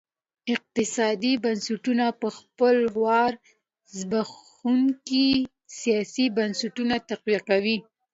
اقتصادي بنسټونه په خپل وار زبېښونکي سیاسي بنسټونه تقویه کوي.